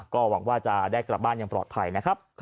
ก็หวังว่าจะได้กลับบ้านอย่างปลอดภัยนะครับ